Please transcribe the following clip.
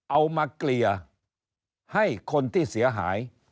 เอามาเกลี่ยให้คนที่เสียหาย